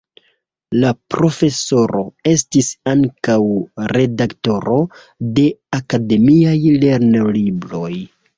La profesoro estis ankaŭ redaktoro de akademiaj lernolibroj.